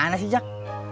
gak sih jak